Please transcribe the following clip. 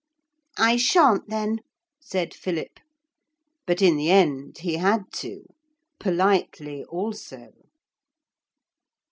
'I shan't then,' said Philip. But in the end he had to politely also.